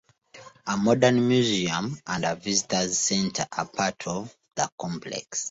A modern museum and a visitors center are part of the complex.